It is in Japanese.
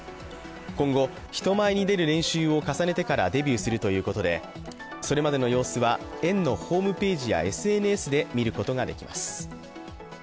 今後、人前に出る練習を重ねてからデビューするということで、それまでの様子は園のホームページやＳＮＳで見ることができます。